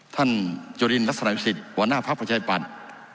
ท่านจุฬินรักษณะวิสิทธิ์หัวหน้าภาพประชาปัตย์